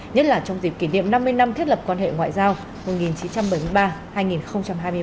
nhất là trong dịp kỷ niệm năm mươi năm thiết lập quan hệ ngoại giao một nghìn chín trăm bảy mươi ba hai nghìn hai mươi ba